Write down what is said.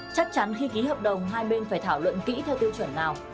chắc chắn khi ký hợp đồng hai bên phải thảo luận kỹ theo tiêu chuẩn nào